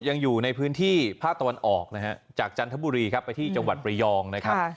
ยังอยู่ในพื้นที่ภาคตะวันออกนะฮะจากจันทบุรีครับไปที่จังหวัดประยองนะครับ